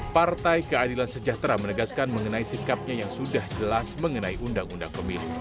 partai keadilan sejahtera menegaskan mengenai sikapnya yang sudah jelas mengenai undang undang pemilu